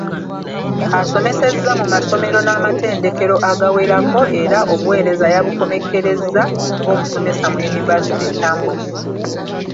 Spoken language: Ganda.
Asomesezza mu masomero n’amatendekero agawerako era obuweereza yabukomekkereza ng’omusomesa mu Yunivasite e Kyambogo.